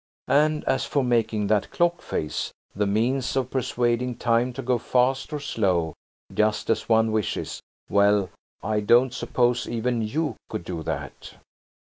And as for making that clock face the means of persuading time to go fast or slow, just as one wishes–well, I don't suppose even you could do that.